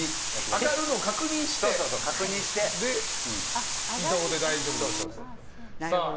上がるのを確認して移動で大丈夫です。